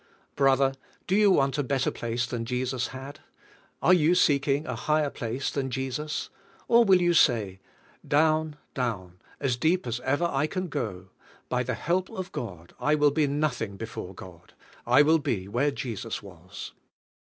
Brother, do you want a better place than Jesus had? Are you seeking a higher place than Jesus? Or will you say: "Down, down, as deep as ever I can go. By the help of God I will be nothing before God; I will be where Jesus was."